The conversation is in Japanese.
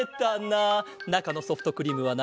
なかのソフトクリームはな